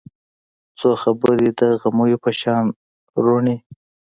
څو خبرې د غمیو په شان روڼې